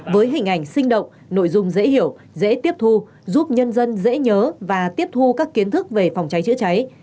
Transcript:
với hình ảnh sinh động nội dung dễ hiểu dễ tiếp thu giúp nhân dân dễ nhớ và tiếp thu các kiến thức về phòng cháy chữa cháy